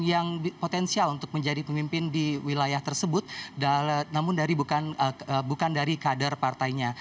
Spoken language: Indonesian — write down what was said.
yang potensial untuk menjadi pemimpin di wilayah tersebut namun bukan dari kader partainya